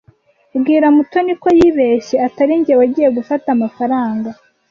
Bwira Mutoni ko yibeshye atarijye wagiye gufata amafaranga.